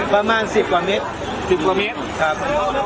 ประมาณ๑๐กว่าเมตร๑๐กว่าเมตรครับ